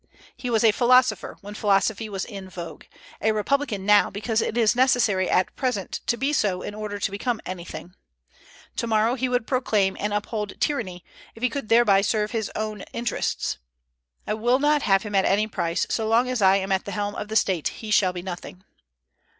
He was a philosopher when philosophy was in vogue; a republican now, because it is necessary at present to be so in order to become anything; to morrow he would proclaim and uphold tyranny, if he could thereby serve his own interests. I will not have him at any price; and so long as I am at the helm of State he shall be nothing."